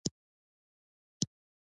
لعل د افغانانو د فرهنګي پیژندنې برخه ده.